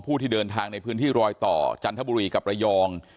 ที่เดินทางในพื้นที่รอยต่อจันทบุรีกับระยอง